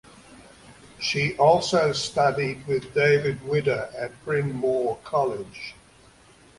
She also studied with David Widder at Bryn Mawr College.